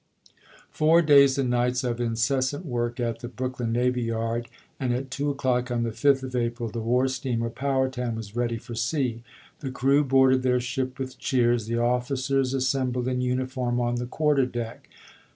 Four days and nights of incessant work at the Brooklyn navy yard, and at 2 o'clock on the 5th of April the war steamer Powhatan was ready for sea. The crew boarded their ship with cheers, the offi cers assembled in uniform on the quarter deck.